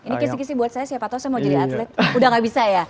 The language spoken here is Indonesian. ini kisi kisi buat saya siapa tau saya mau jadi atlet udah gak bisa ya